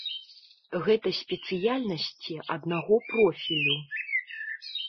Гэта спецыяльнасці аднаго профілю.